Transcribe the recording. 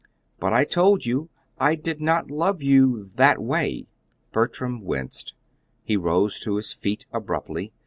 "But I told you I did not love you that way." Bertram winced. He rose to his feet abruptly.